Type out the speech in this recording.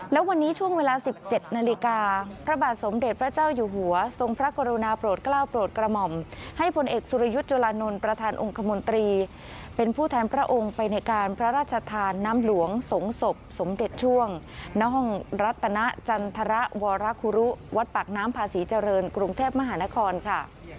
และวันนี้ช่วงเวลา๑๗นาฬิกาพระบาทสมเด็จพระเจ้าอยู่หัวทรงพระกรุณาโปรดกล้าวโปรดกระหม่อมให้ผลเอกสุรยุทธ์จุลานนท์ประธานองค์คมนตรีเป็นผู้แทนพระองค์ไปในการพระราชทานน้ำหลวงสงศพสมเด็จช่วงณห้องรัตนจันทรวรคุรุวัดปากน้ำพาศรีเจริญกรุงเทพมหานครค่ะ